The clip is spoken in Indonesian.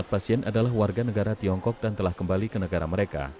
empat pasien adalah warga negara tiongkok dan telah kembali ke negara mereka